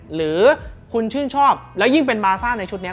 หรือคุณชื่นชอบแล้วยิ่งเป็นบาซ่าในชุดนี้